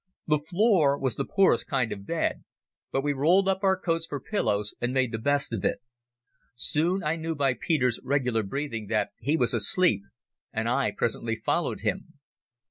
The floor was the poorest kind of bed, but we rolled up our coats for pillows and made the best of it. Soon I knew by Peter's regular breathing that he was asleep, and I presently followed him